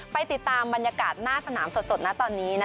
ไปติดตามบรรยากาศหน้าสนามสดนะตอนนี้